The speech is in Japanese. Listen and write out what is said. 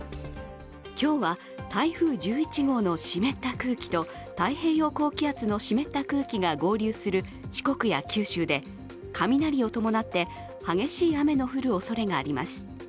今日は台風１１号の湿った空気と太平洋高気圧の湿った空気が合流する四国や九州で雷を伴って激しい雨の降るおそれがあります。